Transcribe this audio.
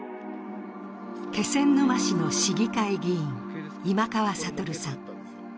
気仙沼市の市議会議員、今川悟さん